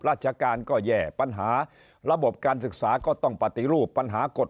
ราชการก็แย่ปัญหาระบบการศึกษาก็ต้องปฏิรูปปัญหากฎ